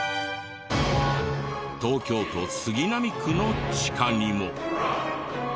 東京都杉並区の地下にも。